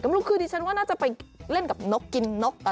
ก็ไม่รู้คือดิฉันน่าจะไปเล่นกับนกกินนก